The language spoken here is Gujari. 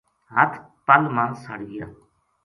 ہَتھ پل ما سڑ گیا